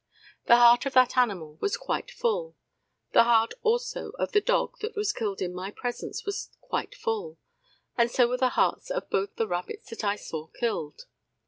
The heart of that animal was quite full. The heart also of the dog that was killed in my presence was quite full, and so were the hearts of both the rabbits that I saw killed.